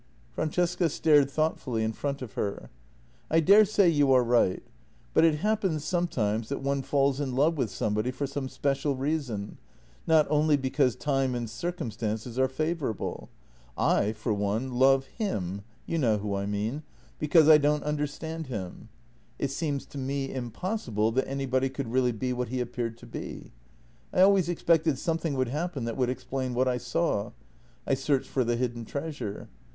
Francesca stared thoughtfully in front of her. " I daresay you are right. But it happens sometimes that one falls in love with somebody for some special reason — not only because time and circumstances are favourable. I for one love him — you know who I mean — because I don't under JENNY 113 stand him. It seems to me impossible that anybody could really be what he appeared to be. I always expected something would happen that would explain what I saw. I searched for the hidden treasure.